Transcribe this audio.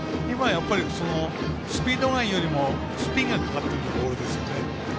やっぱり、スピードガンよりスピンがかかってるボールですよね。